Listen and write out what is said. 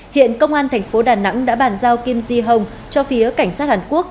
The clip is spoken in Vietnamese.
hiện công an thành phố đà nẵng đã bàn giao kim di hồng cho phía cảnh sát hàn quốc